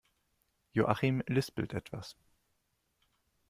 Joachim lispelt etwas.